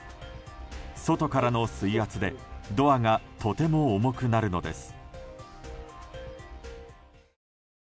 外からの水圧でドアがとても重くなるのです。